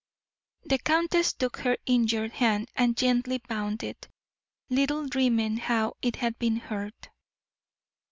The countess took her injured hand and gently bound it, little dreaming how it had been hurt.